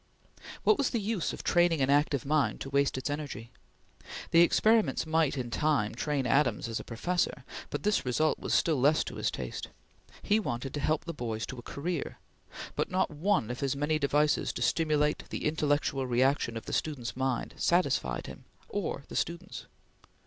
What was the use of training an active mind to waste its energy? The experiments might in time train Adams as a professor, but this result was still less to his taste. He wanted to help the boys to a career, but not one of his many devices to stimulate the intellectual reaction of the student's mind satisfied either him or the students.